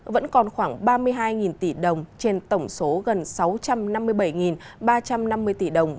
vẫn còn khoảng ba mươi hai tỷ đồng trên tổng số gần sáu trăm năm mươi bảy ba trăm năm mươi tỷ đồng